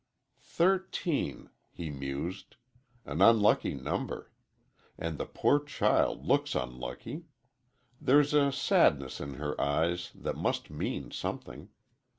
"Thirteen," he mused; "an unlucky number. And the poor child looks unlucky. There's a sadness in her eyes that must mean something.